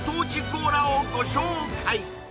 コーラをご紹介